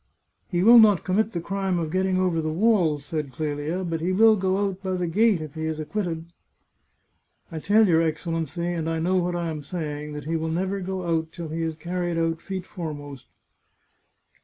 " He will not commit the crime of getting over the walls," said Clelia, " but he will go out by the gate if he is acquitted." 467 The Chartreuse of Parma " I tell your Excellency, and I know what I am say ing, that he will never go out till he is carried out feet fore most."